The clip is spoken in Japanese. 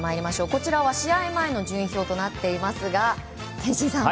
こちらは試合前の順位表となっていますが憲伸さん